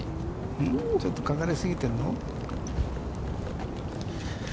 ちょっとかかりすぎてるぞ。